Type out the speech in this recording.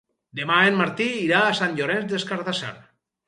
Demà en Martí irà a Sant Llorenç des Cardassar.